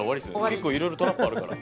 結構いろいろトラップあるから。